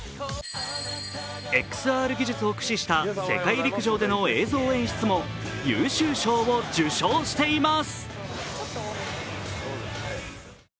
ＸＲ技術を駆使した世界陸上での映像演出も優秀賞を受賞しています。